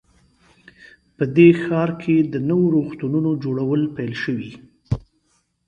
په دې ښار کې د نویو روغتونونو جوړول پیل شوي